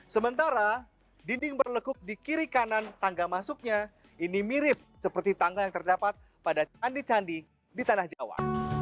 sementara dinding berlekuk di kiri kanan tangga masuknya ini mirip seperti tangga yang terdapat pada candi candi di tanah jawa